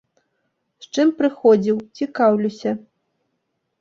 З чым прыходзіў, цікаўлюся.